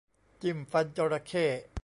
จิ้มฟันจระเข้